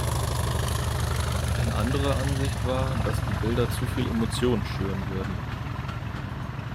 Eine andere Ansicht war, dass die Bilder zuviel Emotionen schüren würden.